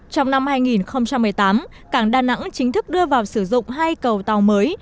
trong năm hai nghìn một mươi tám cảng đà nẵng chính thức đưa vào sử dụng hai cầu tàu mới